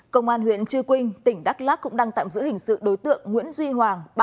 công an huyện chư quynh tỉnh đắk lắc cũng đang tạm giữ hình sự đối tượng nguyễn duy hoàng